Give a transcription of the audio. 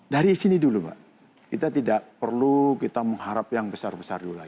dari sini dulu mbak kita tidak perlu kita mengharap yang besar besar dulu lagi